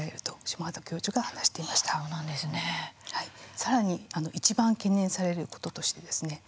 更に一番懸念されることとしてですね